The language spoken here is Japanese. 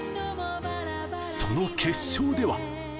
その決勝では。